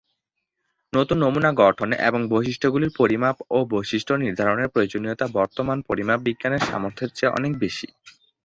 নতুন নমুনা গঠন এবং বৈশিষ্ট্যগুলির পরিমাপ ও বৈশিষ্ট্য নির্ধারণের প্রয়োজনীয়তা বর্তমান পরিমাপ বিজ্ঞানের সামর্থ্যের চেয়ে অনেক বেশি।